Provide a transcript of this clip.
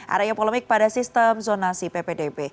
adanya polemik pada sistem zonasi ppdb